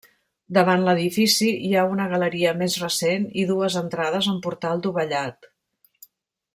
Davant l'edifici hi ha una galeria més recent i dues entrades amb portal dovellat.